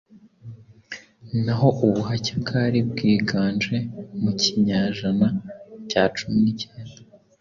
N'aho ubuhake bwari bwiganje mu kinyajana cya cumi nicyenda